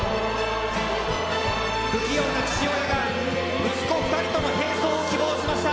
不器用な父親が、息子２人との並走を希望しました。